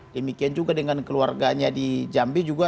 demikian juga dengan keluarganya di jambi juga